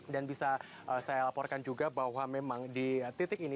dan bisa saya laporkan juga bahwa memang di titik ini